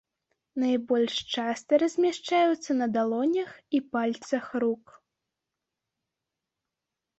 Найбольш часта размяшчаюцца на далонях і пальцах рук.